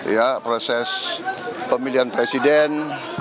ya proses pemilihan presiden